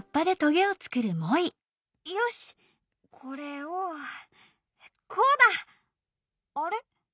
よしこれをこうだ！あれ？